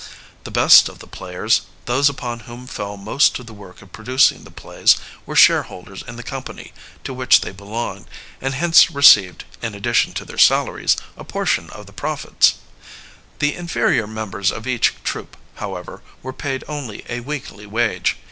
The best of the players, those upon whom fell most of the work of producing the plays, were shareholders in the company to which they belonged, and hence received, in addition to their salaries, a portion of the profits. The in ferior members of each troupe, however, were paid only a weekly wage.